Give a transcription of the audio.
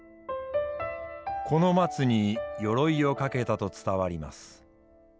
この松に鎧をかけたと伝わります。